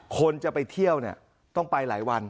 คนจะไปเที่ยวเนี่ยต้องไปหลายวัน